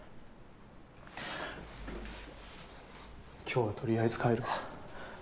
今日はとりあえず帰るわ。